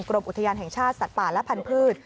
กรมอุทยานแห่งชาติสัตว์ป่าและพันธุ์